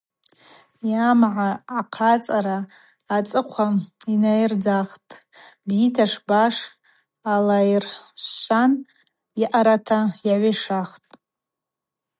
Йамгӏа ахъацӏара ацӏыхъва йнайырдзатӏ, бзита сбаш алайыршвшван йаъарата йагӏвишахтӏ.